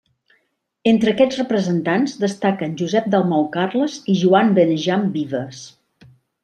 Entre aquests representants destaquen Josep Dalmau Carles i Joan Benejam Vives.